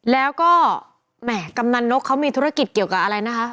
แล้วก็แหมทางหลวงมีธุรกิจเกี่ยวกับอะไรนะคะ